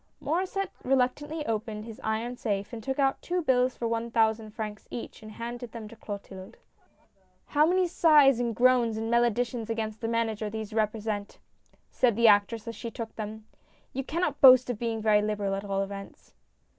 Mauresset reluctantly opened his iron safe and took SIGNING THE CONTRACT. 101 out two bills for one thousand francs each, and handed them to Clo tilde. "How many sighs and groans and maledictions against the Manager these represent !" said the act ress, as she took them. "You cannot boast of being very liberal at all events."